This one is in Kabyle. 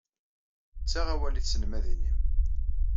Ttaɣ awal i tselmadin-nnem.